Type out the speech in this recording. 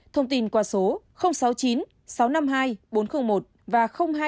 thông tin qua số sáu mươi chín sáu trăm năm mươi hai bốn trăm linh một và hai nghìn tám trăm sáu mươi sáu tám trăm hai mươi hai